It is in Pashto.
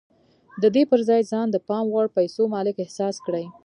د دې پر ځای ځان د پام وړ پيسو مالک احساس کړئ.